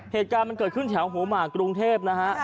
เหตุการณ์มันเกิดขึ้นแถวหัวหมากกรุงเทพนะฮะ